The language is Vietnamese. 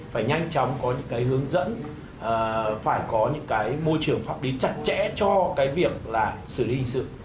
phải nhanh chóng có những hướng dẫn phải có môi trường pháp lý chặt chẽ cho việc xử lý hình sự